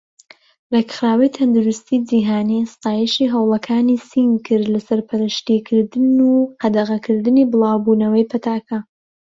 ڕێخراوی تەندروستی جیهانی ستایشی هەوڵەکانی سین کرد لە سەرپەرشتی کردن و قەدەغەکردنی بڵاوبوونەوەی پەتاکە.